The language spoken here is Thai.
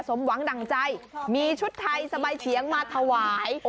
สมหวังดั่งใจมีชุดไทยสบายเฉียงมาถวาย